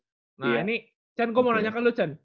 nah ini cen gue mau nanyakan lo cen